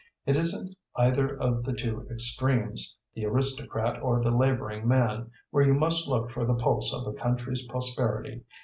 It isn't either of the two extremes the aristocrat or the labouring man where you must look for the pulse of a country's prosperity.